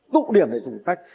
tụ điểm để trung chuyển khách